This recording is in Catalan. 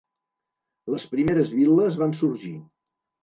Les primeres vil·les van sorgir.